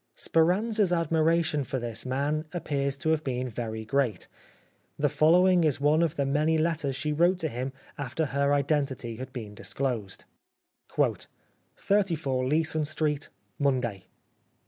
Speranza's admiration for this man appears to have been very great. The following is one 68 The Life of Oscar Wilde of the many letters she wrote to him after her identity had been disclosed. " 34 Leeson Street, Monday.